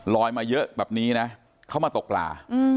มาเยอะแบบนี้นะเข้ามาตกปลา